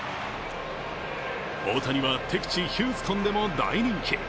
大谷は敵地・ヒューストンでも大人気。